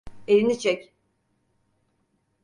Elini çek.